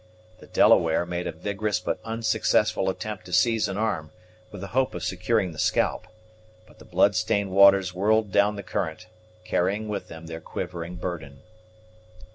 The Delaware made a vigorous but unsuccessful attempt to seize an arm, with the hope of securing the scalp; but the bloodstained waters whirled down the current, carrying with them their quivering burden.